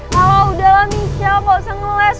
kalau udahlah michelle gak usah ngeles